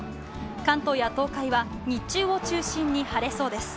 関東や東海は日中を中心に晴れそうです。